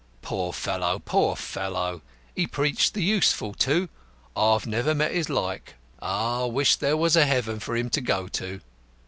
Poor fellow, poor fellow. He preached the Useful, too. I've never met his like. Ah, I wish there was a heaven for him to go to!"